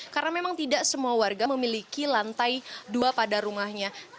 karena memang tidak semua warga memiliki lantai dua pada rumahnya